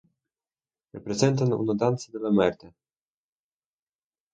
Representan una "Danza de la Muerte".